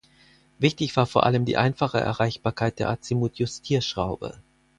Wichtig war vor allem die einfache Erreichbarkeit der Azimut-Justierschraube.